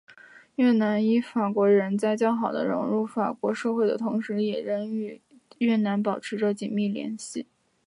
越南裔法国人在较好的融入法国社会的同时也仍与越南保持着紧密的联系。